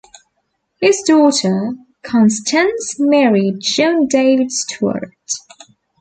His daughter Constance married John David Stewart.